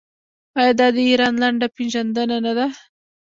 آیا دا د ایران لنډه پیژندنه نه ده؟